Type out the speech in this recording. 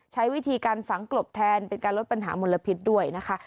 ใช้วิธีการฝังกลบแทนเป็นการลดปัญหามลพิษด้วยนะคะ